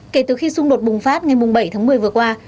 kể từ khi xung đột bùng phát ngày bảy tháng một mươi vừa qua